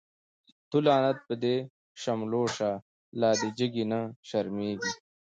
تو لعنت په دی شملو شه، لا دی جګی نه شرميږی